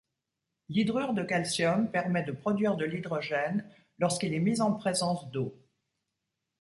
L'hydrure de calcium permet de produire de l'hydrogène lorsqu'il est mis en présence d'eau.